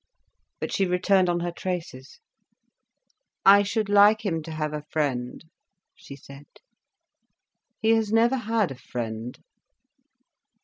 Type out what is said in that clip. But she returned on her traces. "I should like him to have a friend," she said. "He has never had a friend."